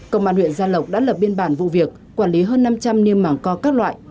công an huyện gia lộc đã lập biên bản vụ việc quản lý hơn năm trăm linh niêm mảng co các loại